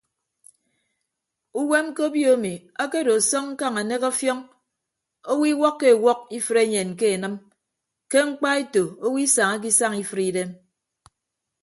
Uwem ke obio emi akedo asọñ ñkañ anek ọfiọñ owo iwọkkọ ewọk ifre enyen ke enịm ke mkpaeto owo isañake isañ ifre idem.